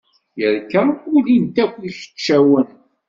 Yerka, ulin-t akk ikeččawen.